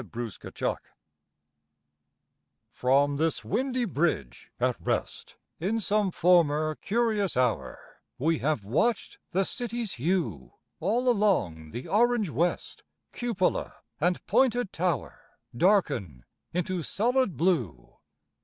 SUNSET From this windy bridge at rest, In some former curious hour, We have watched the city's hue, All along the orange west, Cupola and pointed tower, Darken into solid blue.